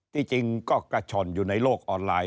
จริงก็กระช่อนอยู่ในโลกออนไลน